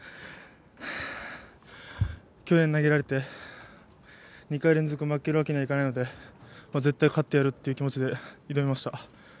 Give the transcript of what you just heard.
去年投げられて２回連続負けるわけにはいかないので絶対勝ってやるっていう気持ちで挑みました。